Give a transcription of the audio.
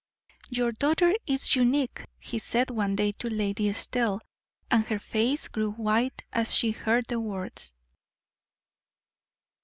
"Your daughter is unique," he said one day to Lady Estelle, and her face grew white as she heard the words.